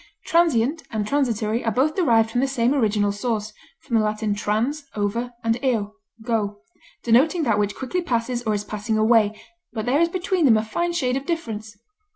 Transient and transitory are both derived from the same original source (L. trans, over, and eo, go), denoting that which quickly passes or is passing away, but there is between them a fine shade of difference.